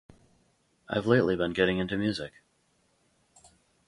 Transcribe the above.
I've lately been getting into music.